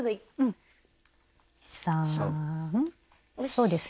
そうですね。